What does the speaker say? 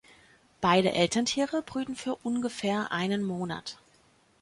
Beide Elterntiere brüten für ungefähr einen Monat.